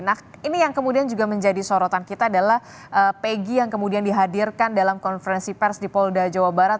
nah ini yang kemudian juga menjadi sorotan kita adalah pegi yang kemudian dihadirkan dalam konferensi pers di polda jawa barat